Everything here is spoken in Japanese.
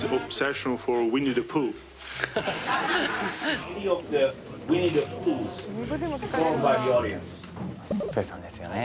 プーさんですよね